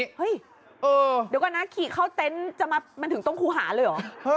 เฮ้ยเดี๋ยวก่อนนะขี่เข้าเต็นต์จะมามันถึงตรงครูหาเลยเหรอ